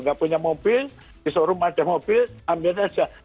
gak punya mobil di showroom ada mobil ambil aja